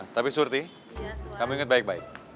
tapi surti kamu inget baik baik